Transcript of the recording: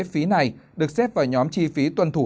phí này được xếp vào nhóm chi phí tuân thủ